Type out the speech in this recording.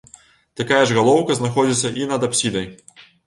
Такая ж галоўка знаходзіцца і над апсідай.